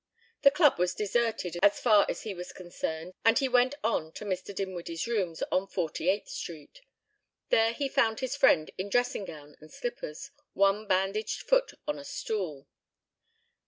The club was deserted as far as he was concerned and he went on to Mr. Dinwiddie's rooms in Forty eighth Street. There he found his friend in dressing gown and slippers, one bandaged foot on a stool.